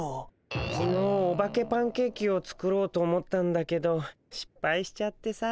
きのうオバケパンケーキを作ろうと思ったんだけどしっぱいしちゃってさ。